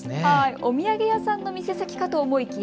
お土産屋さんの店先かと思いきや